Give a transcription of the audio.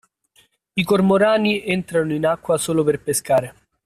I Cormorani entrano in acqua solo per pescare.